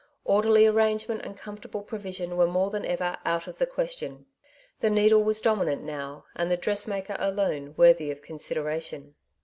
Orderly arrangement and comfortable provision were more than ever out of the question. The needle was dominant now, and the dressmaker alone worthy of consideration.